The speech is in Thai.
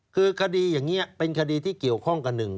คือคดีอย่างนี้เป็นคดีที่เกี่ยวข้องกับหนึ่ง